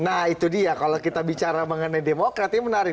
nah itu dia kalau kita bicara mengenai demokrati menarik